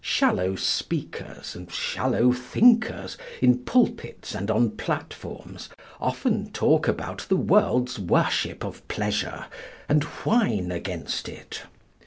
Shallow speakers and shallow thinkers in pulpits and on platforms often talk about the world's worship of pleasure, and whine against it.